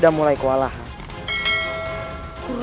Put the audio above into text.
dan menangkap kake guru